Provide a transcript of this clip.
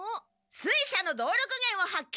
水車の動力源を発見！